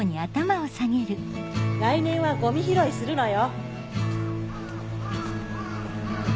来年はゴミ拾いするのよ。